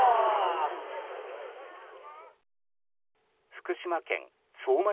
福島県相馬